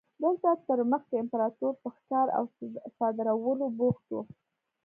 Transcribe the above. دلته تر مخکې امپراتور په ښکار او صادرولو بوخت و.